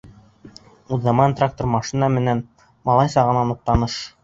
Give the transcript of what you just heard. Уҙаман трактор, машина менән малай сағынан уҡ таныш.